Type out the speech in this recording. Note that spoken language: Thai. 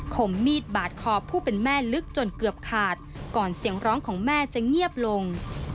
มมีดบาดคอผู้เป็นแม่ลึกจนเกือบขาดก่อนเสียงร้องของแม่จะเงียบลง